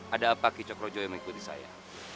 ada apa kicok rojo yang mengikuti saya